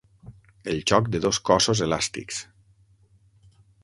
El xoc de dos cossos elàstics.